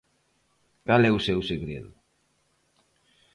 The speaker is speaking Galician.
Cal é o seu segredo?